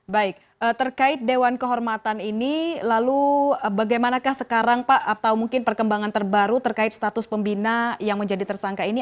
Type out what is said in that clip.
baik terkait dewan kehormatan ini lalu bagaimanakah sekarang pak atau mungkin perkembangan terbaru terkait status pembina yang menjadi tersangka ini